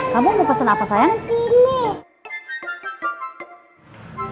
kamu mau pesen apa sayang